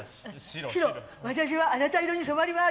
私はあなた色に染まります！